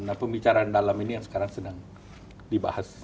nah pembicaraan dalam ini yang sekarang sedang dibahas